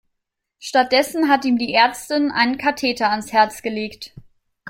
Stattdessen hat ihm die Ärztin einen Katheter ans Herz gelegt.